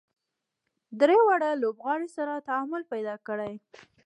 درې واړه لوبغاړي سره تعامل پیدا کړي.